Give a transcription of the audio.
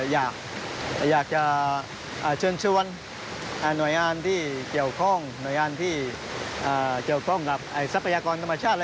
อยากจะเชิญชวนหน่วยงานที่เกี่ยวข้องหน่วยงานที่เกี่ยวข้องกับทรัพยากรธรรมชาติ